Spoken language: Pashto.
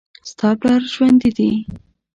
ستا پلار ژوندي دي